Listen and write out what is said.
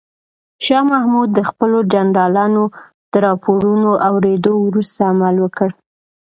شاه محمود د خپلو جنرالانو د راپورونو اورېدو وروسته عمل وکړ.